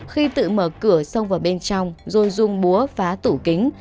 khi tự mở cửa xông vào bên trong rồi dùng búa phá tủ kính